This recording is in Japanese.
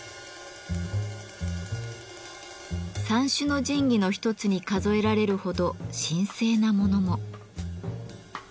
三種の神器の一つに数えられるほど神聖な物も。